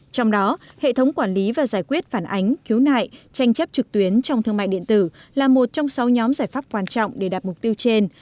trong đó hệ thống quản lý và giải quyết phản ánh khiếu nại tranh chấp trực tuyến trong thương mại điện tử là một trong sáu nhóm giải pháp quan trọng để đạt mục tiêu trên